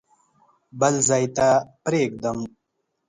بل ځای ته پرېږدم.